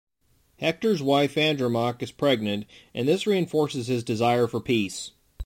Hector's wife Andromache is pregnant, and this reinforces his desire for peace.